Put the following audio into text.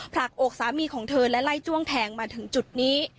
ผลักอกสามีของเธอและไล่จ้วงแทงมาถึงจุดนี้